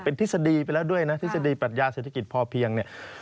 ทฤษฎีไปแล้วด้วยนะทฤษฎีปรัชญาเศรษฐกิจพอเพียงเนี่ย